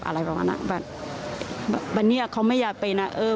อะไรประมาณนั้นแบบนี้เขาไม่อยากไปนะ